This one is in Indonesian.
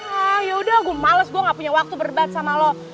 ah yaudah gue males gue gak punya waktu berdebat sama lo